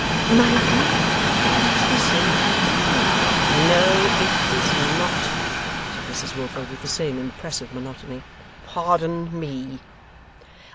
'My dear, it is the same thing.' 'No it is not,' said Mrs Wilfer, with the same impressive monotony. 'Pardon me!